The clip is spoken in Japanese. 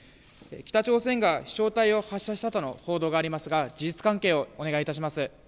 北朝鮮が飛しょう体を発射したとの報道がありますが事実関係をお願いします。